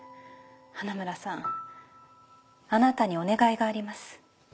花村さんあなたにお願いがあります。